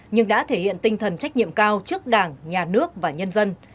nhưng đã thể hiện tinh thần trách nhiệm cao trước đảng nhà nước và nhân dân